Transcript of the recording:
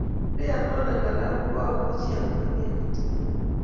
nde yanwo angalal ko amuchi amwa kiy tugul